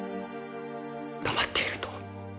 黙っていると